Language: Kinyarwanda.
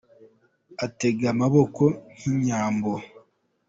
Atega amaboko nk'inyambo.